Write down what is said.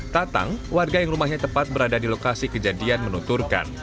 tatang warga yang rumahnya tepat berada di lokasi kejadian menuturkan